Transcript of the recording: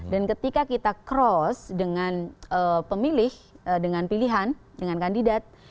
dan ketika kita cross dengan pemilih dengan pilihan dengan kandidat